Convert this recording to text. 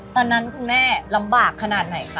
ตอนนั้นคุณแม่ลำบากขนาดไหนคะ